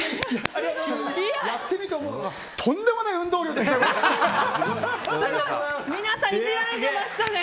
やってみて思うのがとんでもない運動量ですね。